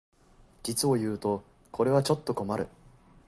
実をいうとこれはちょっと困る